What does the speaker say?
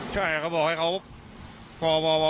ใช่เขาบอกให้เขาพอ